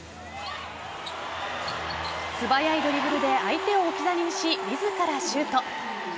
素早いドリブルで相手を置き去りにし自らシュート。